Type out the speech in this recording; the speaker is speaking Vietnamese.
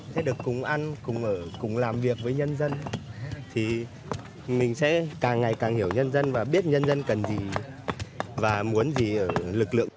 sẽ được cùng ăn cùng ở cùng làm việc với nhân dân thì mình sẽ càng ngày càng hiểu nhân dân và biết nhân dân cần gì và muốn gì lực lượng